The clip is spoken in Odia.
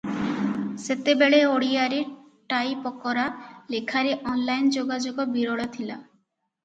ସେତେବେଳେ ଓଡ଼ିଆରେ ଟାଇପକରା ଲେଖାରେ ଅନଲାଇନ ଯୋଗାଯୋଗ ବିରଳ ଥିଲା ।